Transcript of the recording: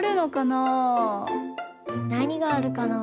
なにがあるかな？